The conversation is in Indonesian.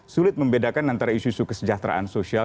sulit membedakan antara isu isu kesejahteraan sosial